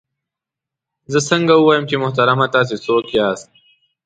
زه څنګه ووایم چې محترمه تاسې څوک یاست؟